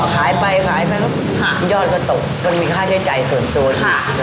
ขายไปขายไปแล้วค่ะยอดก็ตกก็มีค่าใช้ใจส่วนตัวอีกค่ะ